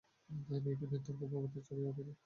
বিপিনের তর্কপ্রবৃত্তি চড়িয়া উঠিল।